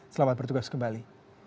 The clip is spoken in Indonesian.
selamat bertugas kembali